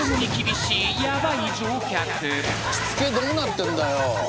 しつけどうなってんだよ？